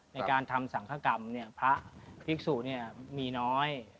ในการทำสังฆกรรมพระภิกษุมีน้อย